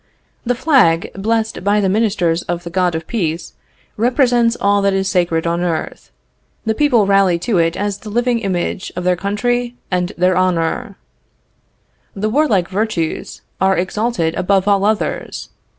The flag, blessed by the ministers of the God of Peace, represents all that is sacred on earth; the people rally to it as the living image of their country and their honor; the warlike virtues are exalted above all others.